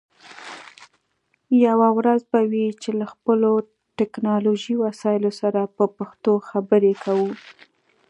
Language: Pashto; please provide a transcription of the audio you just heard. یوه ورځ به وي چې له خپلو ټکنالوژی وسایلو سره په پښتو خبرې کوو